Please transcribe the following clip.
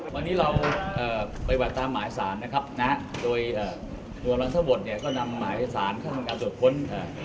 วันนี้เราไปวาดตามหมายสารนะครับนะโดยอ่าตัวบทเนี้ยก็นำหมายสารเข้าทางการตรวจค้นค่ะ